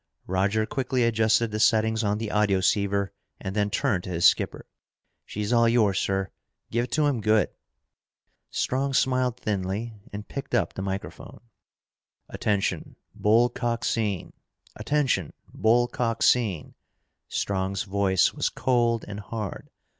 Roger quickly adjusted the settings on the audioceiver and then turned to his skipper. "She's all yours, sir. Give it to him good!" Strong smiled thinly and picked up the microphone. "Attention, Bull Coxine! Attention, Bull Coxine!" Strong's voice was cold and hard.